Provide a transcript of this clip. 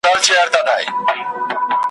اخره زمانه سوه د چرګانو یارانه سوه ,